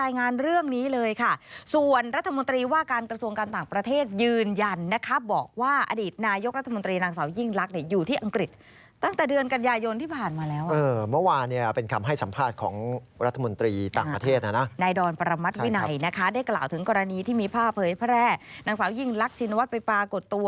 นางสาวยิ่งลักชินวัสไปปากกัดตัว